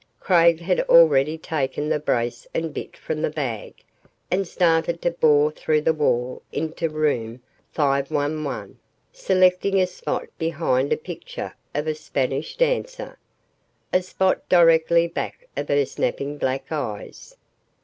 Craig had already taken the brace and bit from the bag and started to bore through the wall into room 511, selecting a spot behind a picture of a Spanish dancer a spot directly back of her snapping black eyes.